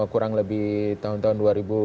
kurang lebih tahun tahun